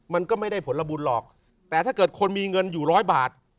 มันก็ไม่ได้ผลบุญหรอกแต่ถ้าเกิดคนมีเงินอยู่ร้อยบาท